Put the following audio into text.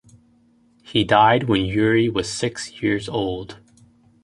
He died when Urey was six years old.